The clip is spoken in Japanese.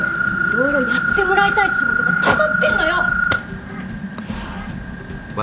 色々やってもらいたい仕事がたまってんのよ！